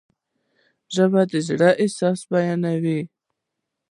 ژبه د زړه احساسات بیانوي.